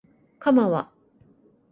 かまは